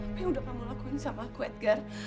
apa yang udah kamu lakuin sama aku edgar